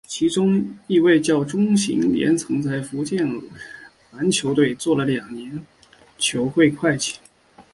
其中一位叫钟行廉曾在福建篮球队做了两年球会秘书。